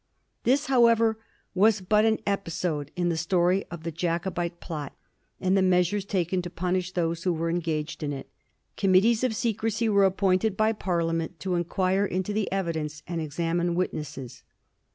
This, however, was but an episode in the story of the Jacobite plot and the measures taken to punish those who were engaged in it. Committees of secrecy were appointed by Parliament to inquire into the evidence and examine witnesses.